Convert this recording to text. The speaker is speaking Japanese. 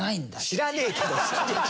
知らねえけど。